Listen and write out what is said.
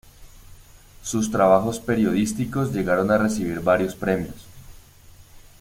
Sus trabajos periodísticos llegaron a recibir varios premios.